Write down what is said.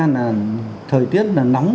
là thời tiết là nóng